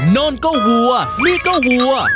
โน่นก็วัวนี่ก็วัว